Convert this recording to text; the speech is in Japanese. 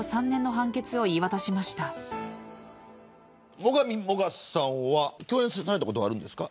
最上もがさんは共演されたことはあるんですか。